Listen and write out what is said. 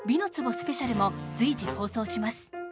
スペシャルも随時、放送します。